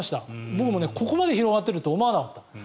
僕もここまで広がってると思わなかった。